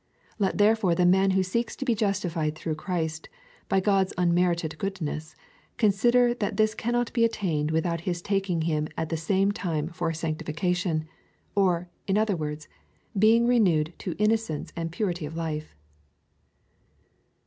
Let therefore the man who seeks to be justified through Christ, by God's un merited goodness, consider that this cannot be attained without his taking him at the same time for sanctification, or, in other words, being renewed to innocence and purity of life.